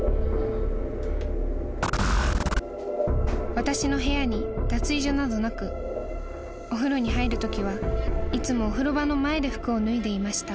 ［私の部屋に脱衣所などなくお風呂に入るときはいつもお風呂場の前で服を脱いでいました］